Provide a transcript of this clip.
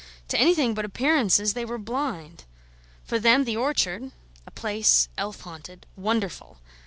To anything but appearances they were blind. For them the orchard (a place elf haunted, wonderful!)